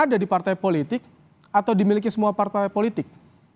ada di partai politik atau dimiliki semua partai politik